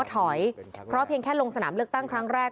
ถอยเพราะเพียงแค่ลงสนามเลือกตั้งครั้งแรก